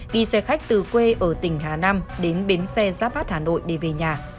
đi xe khách từ quê ở tỉnh hà nam đến bến xe giáp bát hà nội để về nhà